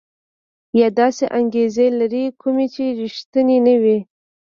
یا داسې انګېزې لري کومې چې ريښتيني نه وي.